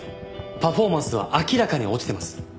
パフォーマンスは明らかに落ちてます。